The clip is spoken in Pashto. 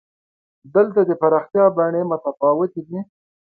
دلته د پراختیا بڼې متفاوتې دي.